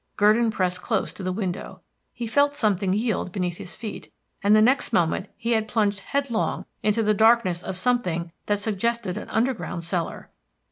Gurdon pressed close to the window; he felt something yield beneath his feet, and the next moment he had plunged headlong into the darkness of something that suggested an underground cellar.